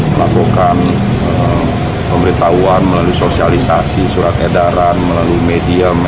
melakukan pemberitahuan melalui sosialisasi surat edaran melalui medium